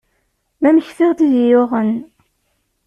Ma mektiɣ-d i d iyi-yuɣen.